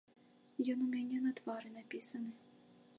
Ён ў мяне на твары напісаны.